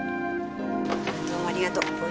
どうもありがとう。